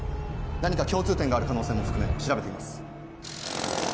何か共通点がある可能性も含め調べています。